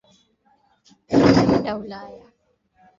Utumiaji wa dawa zilizopigwa marufuku mwaka uliofuata